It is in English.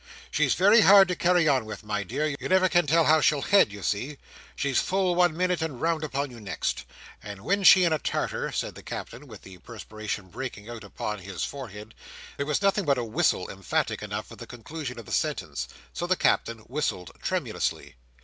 She's very hard to carry on with, my dear. You never can tell how she'll head, you see. She's full one minute, and round upon you next. And when she in a tartar," said the Captain, with the perspiration breaking out upon his forehead. There was nothing but a whistle emphatic enough for the conclusion of the sentence, so the Captain whistled tremulously.